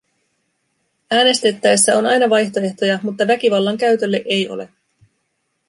Äänestettäessä on aina vaihtoehtoja, mutta väkivallan käytölle ei ole.